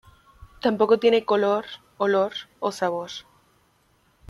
Tampoco tiene color, olor o sabor.